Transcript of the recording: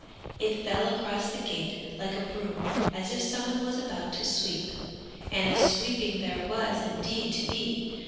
It fell across the gate like a broom, as if some one was about to sweep; and a sweeping there was indeed to be.